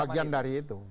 sebagian dari itu